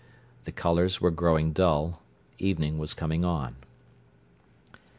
The colours were growing dull; evening was coming on.